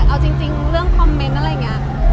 เอาจริงเรื่องคอมเมนต์อะไรอย่างนี้